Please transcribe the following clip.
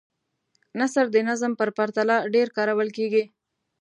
نثر د نظم په پرتله ډېر کارول کیږي.